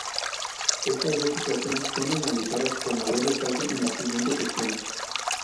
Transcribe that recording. Estas dos situaciones son analizadas con mayor detalle en las siguientes secciones.